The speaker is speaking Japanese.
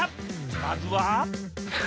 まずは。